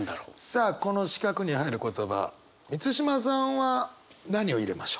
さあこの四角に入る言葉満島さんは何を入れましょう？